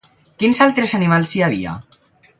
Quins altres animals hi havia?